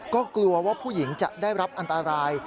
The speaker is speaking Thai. ก็กลัวว่าผู้หญิงจะได้รับอันตราย